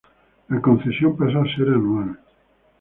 La concesión pasó a ser anual.